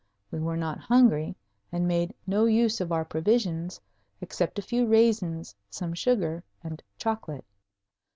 We were not hungry, and made no use of our provisions except a few raisins, some sugar, and chocolate.